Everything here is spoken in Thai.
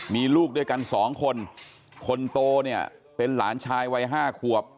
มีลูกด้วยกันสองคนคนโตเนี่ยเป็นหลานชายวัย๕ขวบ